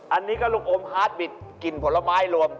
อันนี้ก็ลูกอมฮาร์ดบิตกลิ่นผลไม้รวม